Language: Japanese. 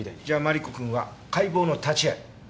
じゃマリコ君は解剖の立ち会い。